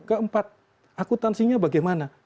keempat akutansinya bagaimana